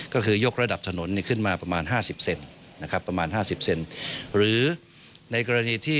ก็คือยกระดับถนนขึ้นมาประมาณ๕๐เซนต์